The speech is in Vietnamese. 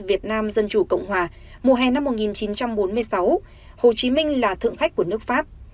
việt nam dân chủ cộng hòa mùa hè năm một nghìn chín trăm bốn mươi sáu hồ chí minh là thượng khách của nước pháp